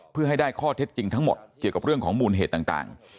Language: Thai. เพื่อให้ได้ข้อเท็จจริงทั้งหมดเกี่ยวกับเรื่องของมูลเหตุต่าง